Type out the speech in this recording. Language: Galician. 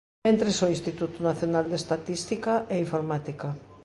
Mentres o Instituto Nacional de Estatística e Informática.